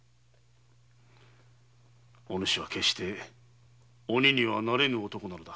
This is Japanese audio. お主は決して鬼にはなれぬ男なのだ。